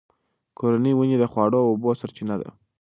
کورني ونې د خواړو او اوبو سرچینه ده.